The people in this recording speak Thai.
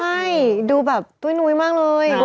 ใช่ดูแบบตุ้ยนุ้ยมากเลย